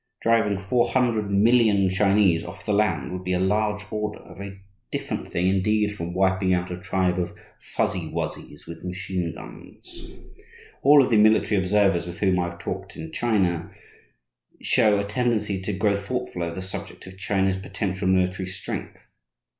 Driving four hundred million Chinese off the land would be a large order, a very different thing, indeed, from wiping out a tribe of "Fuzzy Wuzzys" with machine guns. All of the military observers with whom I have talked in China show a tendency to grow thoughtful over the subject of China's potential military strength.